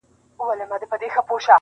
• مُلا پرون مسلې کړلې د روژې د ثواب -